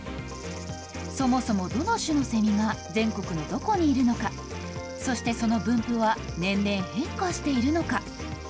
そもそもどの種のセミが全国のどこにいるのか、そしてその分布は年々変化しているのか。